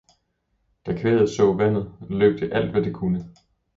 Da kvæget så vandet, løb det alt hvad det kunne.